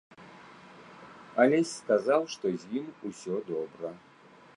Алесь сказаў, што з ім усё добра.